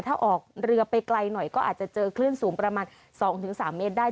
ถ้าออกเรือไปไกลหน่อยก็อาจจะเจอคลื่นสูงประมาณ๒๓เมตรได้